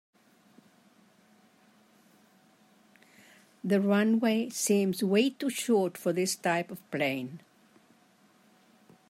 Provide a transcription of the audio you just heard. The runway seems way to short for this type of plane.